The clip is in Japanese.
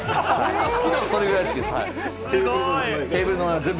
それくらい好きです。